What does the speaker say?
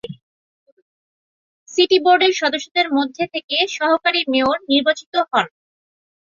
City বোর্ডের সদস্যদের মধ্য থেকে সহকারী মেয়র নির্বাচিত হন।